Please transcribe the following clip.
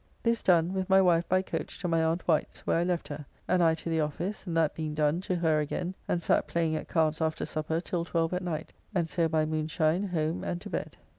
This done with my wife by coach to my aunt Wight's, where I left her, and I to the office, and that being done to her again, and sat playing at cards after supper till 12 at night, and so by moonshine home and to bed.